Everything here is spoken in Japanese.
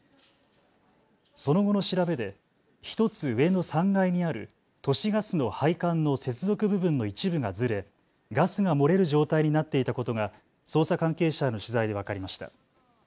その後の調べで１つ上の３階にある都市ガスの配管の接続部分の一部がずれ、ガスが漏れる状態になっていたことが捜査関係者への取材で分かりました。